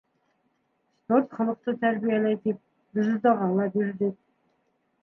Спорт холоҡто тәрбиәләй тип, дзюдоға ла бирҙек.